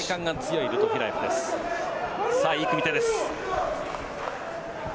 いい組み手です。